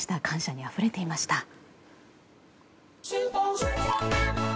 感謝にあふれていました。